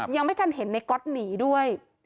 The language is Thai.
ยังไม่ทันเห็นในก๊อตหนีด้วย